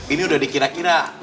ini udah dikira kira